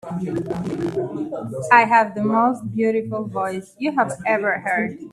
I have the most beautiful voice you have ever heard.